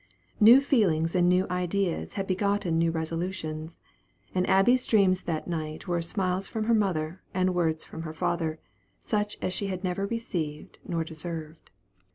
New feelings and new ideas had begotten new resolutions, and Abby's dreams that night were of smiles from her mother, and words from her father, such as she had never received nor deserved.